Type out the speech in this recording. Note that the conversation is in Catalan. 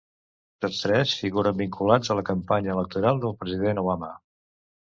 Tots tres figuren vinculats a la campanya electoral del president Obama.